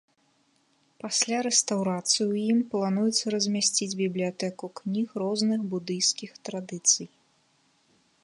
Пасля рэстаўрацыі ў ім плануецца размясціць бібліятэку кніг розных будыйскіх традыцый.